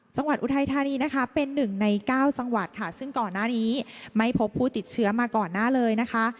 อุทัยธานีนะคะเป็นหนึ่งในเก้าจังหวัดค่ะซึ่งก่อนหน้านี้ไม่พบผู้ติดเชื้อมาก่อนหน้าเลยนะคะ